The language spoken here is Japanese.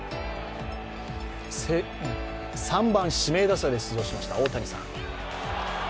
３番・指名打者で出場しました大谷さん。